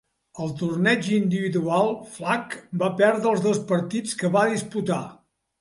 Al torneig individual, Flack va perdre els dos partits que va disputar.